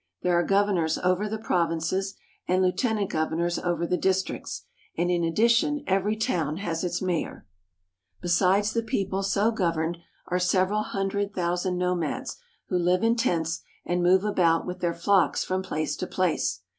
There are governors over the provinces, and lieutenant governors over the districts, and in addition every town has its mayor. i?*^ ^^ t' r. < ;i ■feN»^ ;'l>i< fi^m^sm .1* Mm Shah's Palace, Teheran. Besides the people so governed, are several hundred thousand nomads who live in tents and move about with their flocks from place to place.